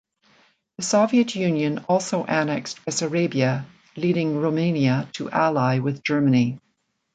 The Soviet Union also annexed Bessarabia, leading Romania to ally with Germany.